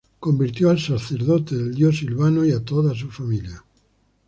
Convirtió al sacerdote del dios Silvano y a toda su familia.